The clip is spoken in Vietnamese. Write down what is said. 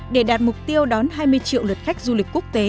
để đạt mục tiêu đón hai mươi triệu lượt khách du lịch quốc tế